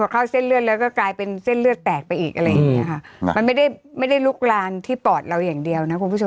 เข้าเส้นเลือดแล้วก็กลายเป็นเส้นเลือดแตกไปอีกอะไรอย่างเงี้ยค่ะมันไม่ได้ไม่ได้ลุกลานที่ปอดเราอย่างเดียวนะคุณผู้ชม